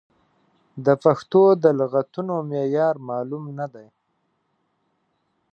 د پښتو د لغتونو معیار معلوم نه دی.